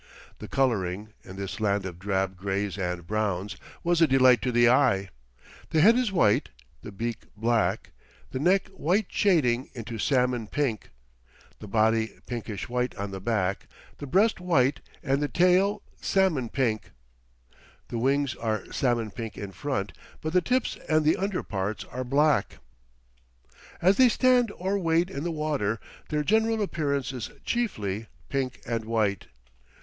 The coloring, in this land of drab grays and browns, was a delight to the eye. The head is white, the beak black, the neck white shading into salmon pink; the body pinkish white on the back, the breast white, and the tail salmon pink. The wings are salmon pink in front, but the tips and the under parts are black. As they stand or wade in the water their general appearance is chiefly pink and white.